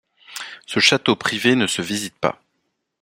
Ce château privé ne se visite pas.